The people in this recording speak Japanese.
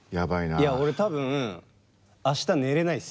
いや俺多分明日寝れないっす。